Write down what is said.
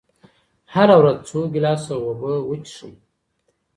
هره ورځ څو ګیلاسه اوبه وڅښئ.